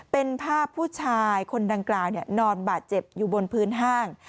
เป็นภาพผู้ชายคนดังกล่าวนอนบาดเจ็บอยู่บนพื้นห้าง